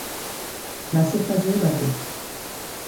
Klasse versilbert ist.